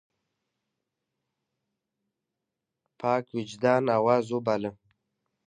پاک وجدان آواز وباله.